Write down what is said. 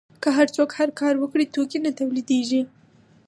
که هر څوک هر کار وکړي توکي نه تولیدیږي.